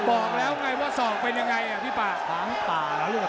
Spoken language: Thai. บอกแล้วไงว่าซ้อมเป็นยังไงพี่ปาก